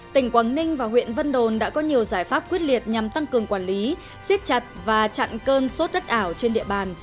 tỉnh quảng ninh và huyện vân đồn đã có nhiều giải pháp quyết liệt nhằm tăng cường quản lý siết chặt và chặn cơn sốt đất ảo trên địa bàn